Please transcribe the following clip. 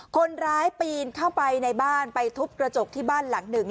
คนร้ายปีนเข้าไปในบ้านไปทุบกระจกที่บ้านหลังหนึ่ง